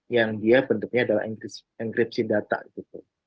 yang dia bentuknya adalah enkripsi data gitu